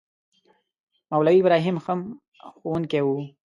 مولوي ابراهیم هم ښوونکی وو.